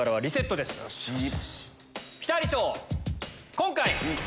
今回。